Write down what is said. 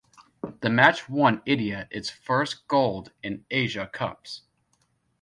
The match won India its first gold in Asia Cups.